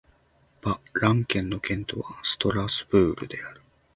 バ＝ラン県の県都はストラスブールである